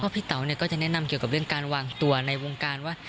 พี่เต๋าก็จะแนะนำเกี่ยวกับเรื่องการวางตัวในวงการว่า